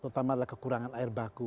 terutama adalah kekurangan air baku